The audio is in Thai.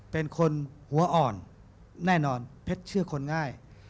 เป็นคนหัวอ่อนแน่นอนเพชรเชื่อคนง่าย